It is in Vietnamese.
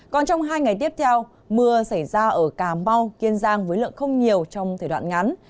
còn trong hai ngày tiếp theo mưa xảy ra ở cà mau kiên giang với lượng không nhiều trong thời đoạn ngắn